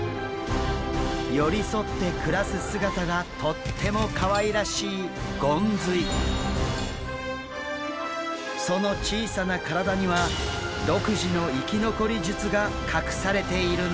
寄り添って暮らす姿がとってもかわいらしいその小さな体には独自の生き残り術が隠されているんです。